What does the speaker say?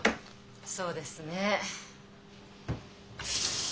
そうですね。